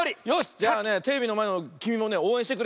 じゃあねテレビのまえのきみもねおうえんしてくれ。